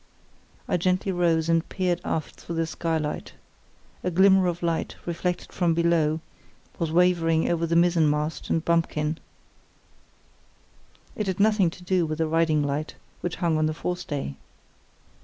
I gently rose and peered aft through the skylight. A glimmer of light, reflected from below, was wavering over the mizzen mast and bumpkin; it had nothing to do with the riding light, which hung on the forestay.